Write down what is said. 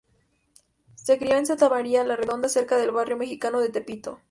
Se crió en Santa María la Redonda, cerca del barrio mexicano de Tepito.